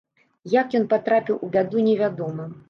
Як ён патрапіў у бяду, невядома.